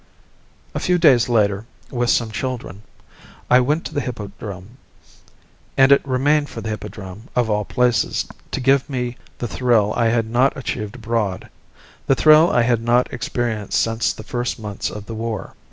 A few days later, with some children, I went to the Hippodrome. And it remained for the Hippodrome, of all places, to give me the thrill I had not achieved abroad, the thrill I had not experienced since the first months of the war.